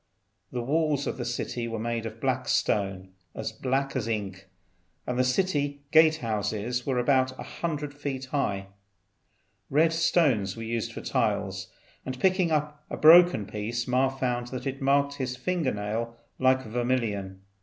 The walls of the city were made of black stone, as black as ink, and the city gate houses were about 100 feet high. Red stones were used for tiles, and picking up a broken piece Ma found that it marked his finger nail like vermilion.